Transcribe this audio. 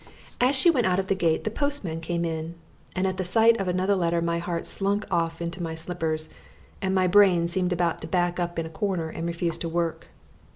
As she went out of the gate the postman came in, and at the sight of another letter my heart slunk off into my slippers, and my brain seemed about to back up in a corner and refuse to work.